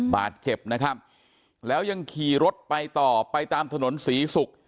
บาดเจ็บนะครับแล้วยังขี่รถไปต่อไปตามถนนศรีศุกร์